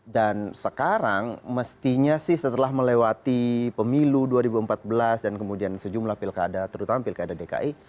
dan sekarang mestinya sih setelah melewati pemilu dua ribu empat belas dan kemudian sejumlah pilkada terutama pilkada dki